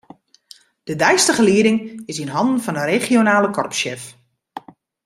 De deistige lieding is yn hannen fan de regionale korpssjef.